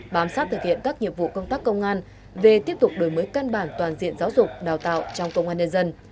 bám sát thực hiện các nhiệm vụ công tác công an về tiếp tục đổi mới căn bản toàn diện giáo dục đào tạo trong công an nhân dân